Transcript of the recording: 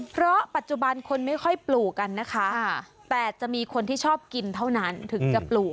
เพราะปัจจุบันคนไม่ค่อยปลูกกันนะคะแต่จะมีคนที่ชอบกินเท่านั้นถึงจะปลูก